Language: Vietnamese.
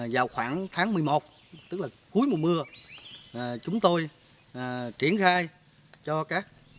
vào khoảng tháng một mươi một tức là cuối mùa mưa chúng tôi triển khai cho các